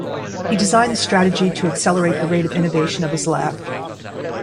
He designed the strategy to accelerate the rate of innovation of his lab.